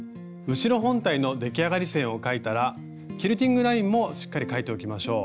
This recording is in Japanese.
後ろ本体の出来上がり線を描いたらキルティングラインもしっかり描いておきましょう。